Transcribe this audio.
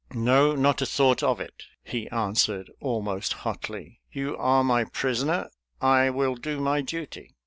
"No, not a thought of it," he answered almost hotly. "You are my prisoner, I will do my duty."